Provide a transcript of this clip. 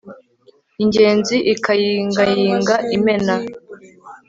ingenzi ikayingayinga imena